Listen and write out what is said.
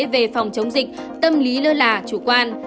về phòng chống dịch tâm lý lơ là chủ quan